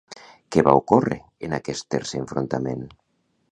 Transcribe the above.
Què va ocórrer en aquest tercer enfrontament?